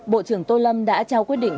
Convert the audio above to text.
bộ trưởng tô lâm đã trao quyết định